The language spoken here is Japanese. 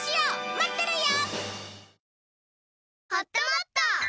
待ってるよ！